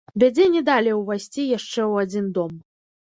Бядзе не далі ўвайсці яшчэ ў адзін дом.